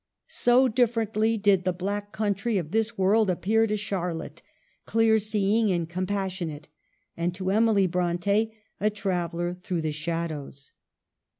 So differently did the black country of this world appear to Charlotte, clear seeing and com passionate, and to Emily Bronte, a traveller through the shadows.